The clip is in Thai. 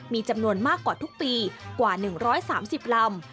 มีจำนวนมากกว่าทุกปีกว่า๑๓๐ลำ